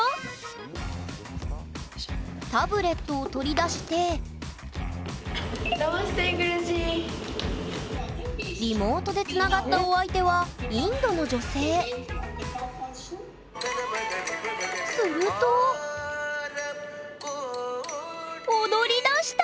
タブレットを取り出してリモートでつながったお相手はインドの女性すると踊りだした！